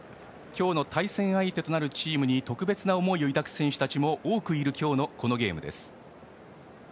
今日の対戦相手となるチームに特別な思いを抱く選手も多くいる今日のこのゲームです。